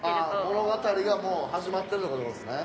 ああ物語がもう始まってるって事ですね。